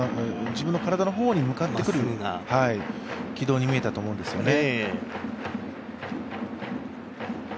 自分の体の方に向かってくるような軌道に見えたと思うんですよね。